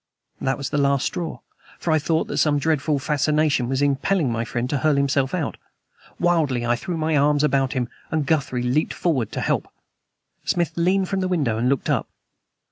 That was the last straw; for I thought that some dreadful fascination was impelling my friend to hurl himself out! Wildly I threw my arms about him, and Guthrie leaped forward to help. Smith leaned from the window and looked up.